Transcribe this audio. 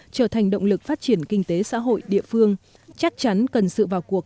trở thành động lực phát triển kinh tế xã hội địa phương chắc chắn cần sự vào cuộc